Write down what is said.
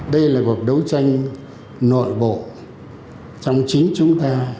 đây là cuộc đấu tranh nội bộ trong chính chúng ta